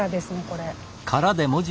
これ。